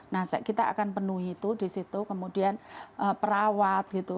nah kita akan penuhi itu disitu kemudian perawat gitu